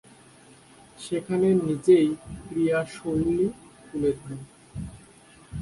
সেখানেই নিজের ক্রীড়াশৈলী তুলে ধরেন।